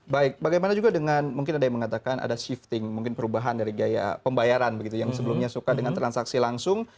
baik bagaimana juga dengan mungkin ada yang mengatakan ada shifting mungkin perubahan dari biaya pembayaran begitu yang sebelumnya suka dengan transaksi langsung